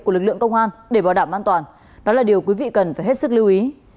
của lực lượng công an để bảo đảm an toàn đó là điều quý vị cần phải hết sức lưu ý